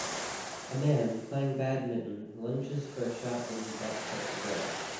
A man, playing badminton, lunges for a shot that is about to hit the ground